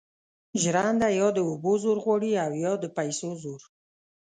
ژرنده یا د اوبو زور غواړي او یا د پیسو زور.